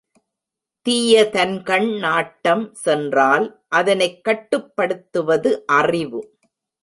தீயதன்கண் நாட்டம் சென்றால் அதனைக் கட்டுப்படுத்துவது அறிவு.